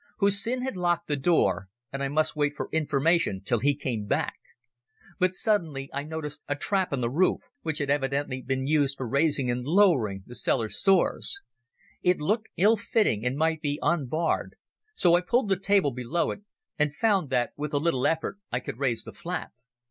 Hussin had locked the door and I must wait for information till he came back. But suddenly I noticed a trap in the roof, which had evidently been used for raising and lowering the cellar's stores. It looked ill fitting and might be unbarred, so I pulled the table below it, and found that with a little effort I could raise the flap.